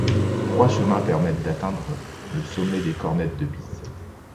Trois chemins permettent d'atteindre le sommet des Cornettes de Bise.